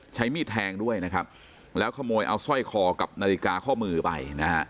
ใช้มีดแทงด้วยนะครับแล้วขโมยเอาสร้อยคอกับนาฬิกาข้อมือไปนะฮะ